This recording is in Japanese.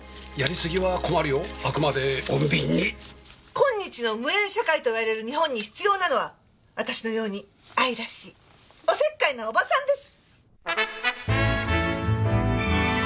今日の無縁社会と言われる日本に必要なのは私のように愛らしいおせっかいなおばさんです！